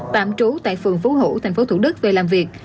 tạm trú tại phường phú hủ thành phố thủ đức về làm việc